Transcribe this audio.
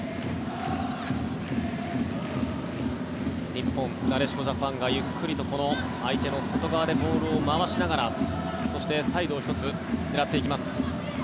日本、なでしこジャパンがゆっくりと相手の外側でボールを回しながら、そしてサイドを１つ狙っていきます。